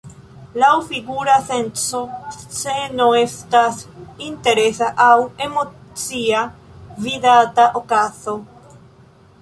Laŭ figura senco, sceno estas interesa aŭ emocia vidata okazo.